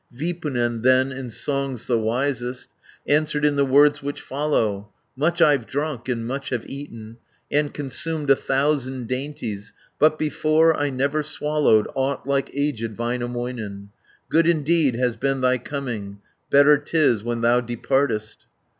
Vipunen then, in songs the wisest, Answered in the words which follow: "Much I've drunk, and much have eaten, And consumed a thousand dainties, 590 But before I never swallowed Aught like aged Väinämöinen. Good indeed has been thy coming, Better 'tis when thou departest."